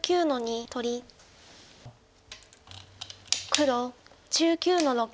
黒１９の六。